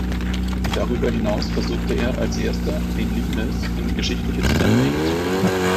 Darüber hinaus versuchte er als Erster, den Limes in geschichtliche Zusammenhänge zu bringen.